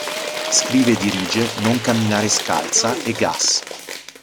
Scrive e dirige "Non camminare scalza" e "Gas”".